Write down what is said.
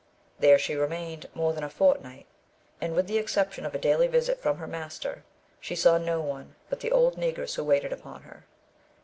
There she remained more than a fortnight, and with the exception of a daily visit from her master, she saw no one but the old Negress who waited upon her.